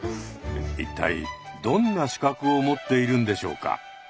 一体どんな資格を持っているんでしょうか。